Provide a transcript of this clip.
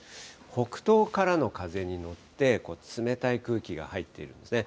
北東からの風に乗って、冷たい空気が入っているんですね。